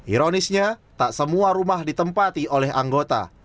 ironisnya tak semua rumah ditempati oleh anggota